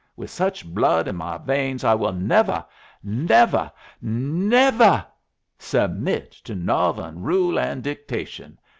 With such blood in my veins I will nevuh, nevuh, nevuh submit to Northern rule and dictation.